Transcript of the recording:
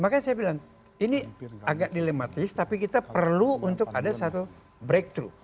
makanya saya bilang ini agak dilematis tapi kita perlu untuk ada satu breakthrough